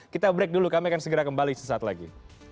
kita break dulu kami akan segera kembali sesaat lagi